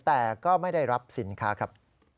แต่ก็ไม่ได้รับสินค้าครับ